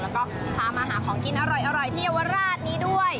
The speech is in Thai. แล้วก็พามาหาของกินอร่อยที่เยาวราชนี้ด้วย